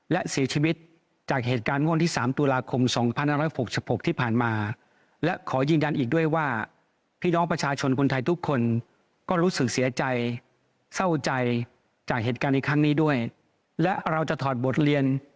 และเราจะถอดบทเรียน